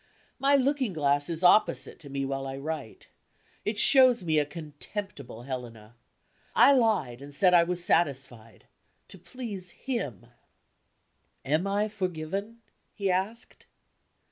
My looking glass is opposite to me while I write. It shows me a contemptible Helena. I lied, and said I was satisfied to please him. "Am I forgiven?" he asked.